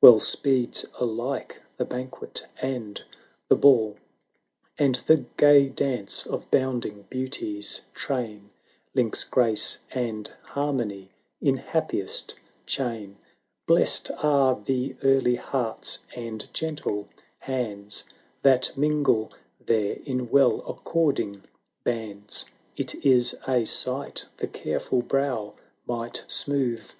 Well speeds alike the banquet and the ball; And the gay dance of bounding Beauty's train Links grace and harmony in happiest chain :' 390 Blest are the early hearts and gentle hands That mingle there in well according bands; It is a sight the careful brow might smooth.